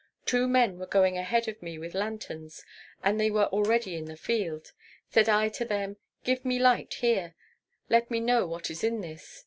Two men were going ahead of me with lanterns, and they were already in the field. Said I to them, 'Give me light here; let me know what is in this!'